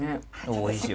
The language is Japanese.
おいしい。